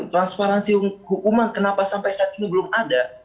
transparansi hukuman kenapa sampai saat ini belum ada